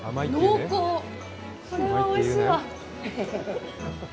これはおいしいわ。